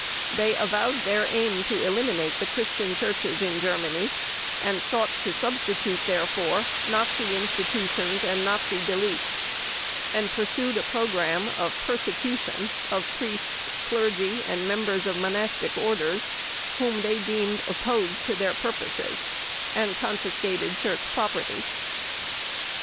They avowed their aim to eliminate the Christian churches in Germany and sought to substitute therefor Nazi institutions and Nazi beliefs, and pursued a program of persecution of priests, clergy, and members of monastic orders whom they deemed opposed to their purposes, and confiscated church property.